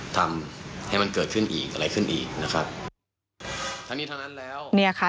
ทำให้มันเกิดขึ้นอีกอะไรขึ้นอีกนะครับทั้งนี้ทั้งนั้นแล้วเนี่ยค่ะ